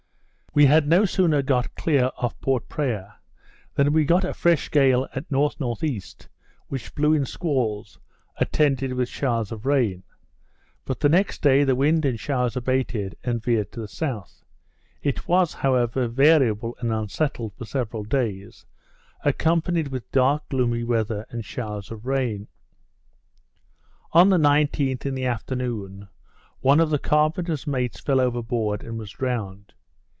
We had no sooner got clear of Port Praya, than we got a fresh gale at N.N.E. which blew in squalls, attended with showers of rain. But the next day the wind and showers abated, and veered to the S. It was, however, variable and unsettled for several days, accompanied with dark gloomy weather, and showers of rain. On the 19th, in the afternoon, one of the carpenter's mates fell overboard, and was drowned.